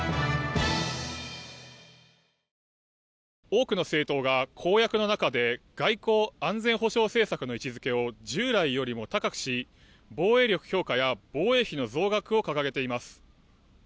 多くの政党が公約の中で外交・安全保障政策の位置付けを従来よりも高くし防衛力強化や防衛費の増額を掲げています。